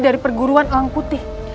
dari perguruan alang putih